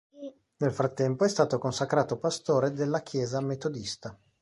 Nel frattempo è stato consacrato pastore della Chiesa metodista.